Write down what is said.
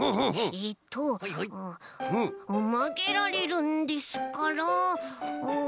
えっとまげられるんですからん。